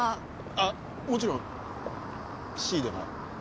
あっもちろんシーでも。